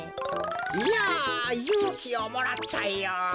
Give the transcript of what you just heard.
いやゆうきをもらったよ。